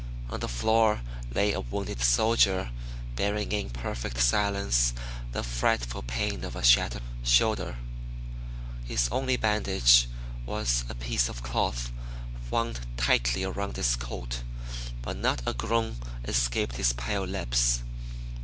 On the floor lay a wounded soldier, bearing in perfect silence the frightful pain of a shattered shoulder. His only bandage was a piece of cloth wound tightly around his coat, but not a groan escaped his pale lips.